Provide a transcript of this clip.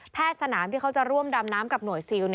สนามที่เขาจะร่วมดำน้ำกับหน่วยซิล